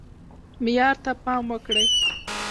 معیار ته پام وکړئ